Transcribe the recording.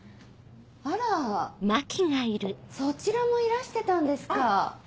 あらそちらもいらしてたんですか。